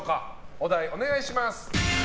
お題お願いします。